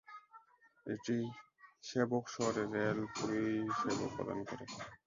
এটি সেবক শহরে রেল পরিষেবা প্রদান করে।